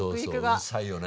うるさいよね。